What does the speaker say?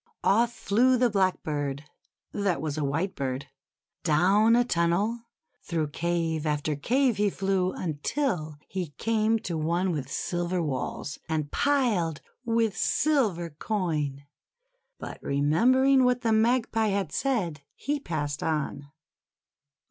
Off flew the Blackbird that was a Whitebird. Down a tunnel, through cave after cave, he flew, until he came to one with silver walls, and piled with silver coin. But remembering what the Magpie had said, he passed on.